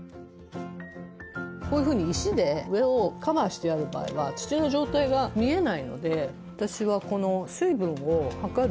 こういうふうに石で上をカバーしてある場合は土の状態が見えないので私は、この水分を測る